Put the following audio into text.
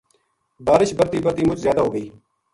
بارش برتی برتی مُچ زیادہ ہو گئی